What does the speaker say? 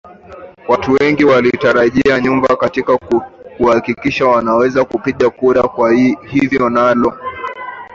kwa watu wengi wakajirudi nyuma katika kuhakikisha wanaweza kupiga kura kwa hivyo nalo